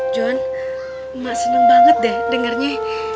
jon mak seneng banget deh dengarnya